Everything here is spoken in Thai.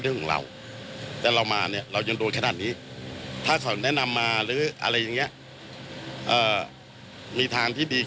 เขาคุยกับใครครับพี่